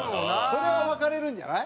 それは分かれるんじゃない？